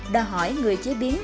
đòi hỏi người chế biến